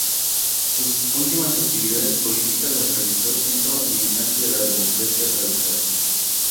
Sus últimas actividades políticas las realizó siendo militante de la Democracia Radical.